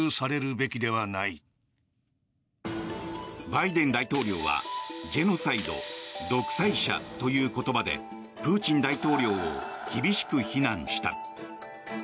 バイデン大統領はジェノサイド独裁者という言葉でプーチン大統領を厳しく非難した。